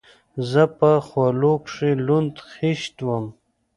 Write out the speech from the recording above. زه په خولو کښې لوند خيشت وم.